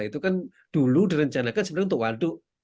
itu kan dulu direncanakan sebenarnya untuk waduk